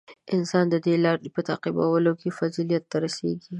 • انسان د دې د لارې په تعقیبولو فضیلت ته رسېږي.